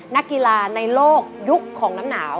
นักกีฬาในโลกยุคของน้ำหนาว